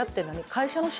会社の「社」？